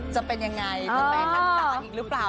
จะเป็นยังไงจะแม้ทั้งสามอีกหรือเปล่า